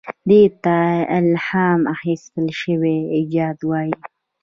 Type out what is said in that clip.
دې ته الهام اخیستل شوی ایجاد وایي.